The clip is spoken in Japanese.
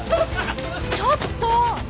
ちょっと！